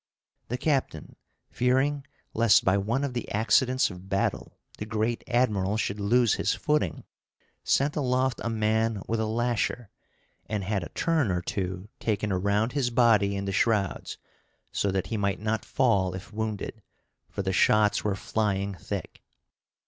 The captain, fearing lest by one of the accidents of battle the great admiral should lose his footing, sent aloft a man with a lasher, and had a turn or two taken around his body in the shrouds, so that he might not fall if wounded; for the shots were flying thick.